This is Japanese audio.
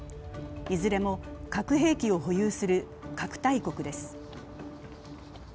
いずれも核兵器を保有する核大国です。